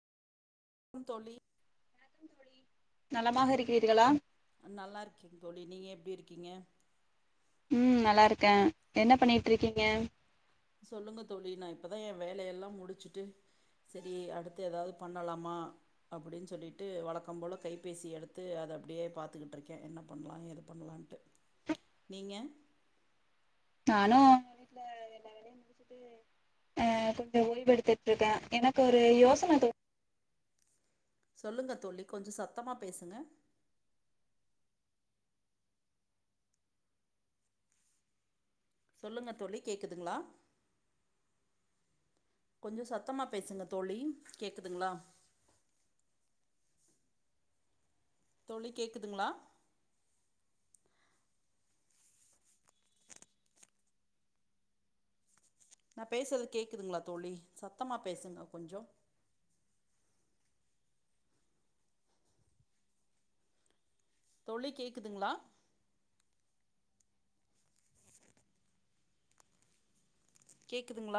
ம் தோழி வணக்கம் நலமாக இருக்கிறீர்களா நல்லா இருக்கங்க தோழி நீங்க எப்டி இருக்கீங்க ம் நல்லாருக்கே என்ன பண்ணிட்ருக்கீங்க சொல்லுங்க தோழி நா இப்பதா ஏ வேலையெல்லா முடிச்சிட்டு செரி அடுத்து எதாவ்து பண்ணலாமா அப்டின் சொல்லிட்டு வழக்கம் போல கைபேசி எடுத்து அத அப்டியே பாத்துக்கிட்ருக்கே என்ன பண்லா ஏது பண்லான்ட்டு நீங்க நானு எங்க வீட்ல எல்லா வேலையு முடிச்சுட்டு அ கொஞ்ச ஓய்வு எத்துட்ருக்கே எனக்கு ஒரு யோசன தோ சொல்லுங்க தோழி கொஞ்ச சத்தமா பேசுங்க சொல்லுங்க தோழி கேக்குதுங்ளா கொஞ்ச சத்தமா பேசுங்க தோழி கேக்குதுங்ளா தோழி கேக்குதுங்ளா நா பேசுறது கேக்குதுங்ளா தோழி சத்தமா பேசுங்க கொஞ்சோ தோழி கேக்குதுங்ளா கேக்குதுங்ளா